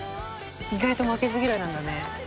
「意外と負けず嫌いなんだね」